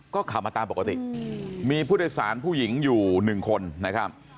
ก็ขับมาตามปกติมีผู้โดยสารผู้หญิงอยู่หนึ่งคนนะครับ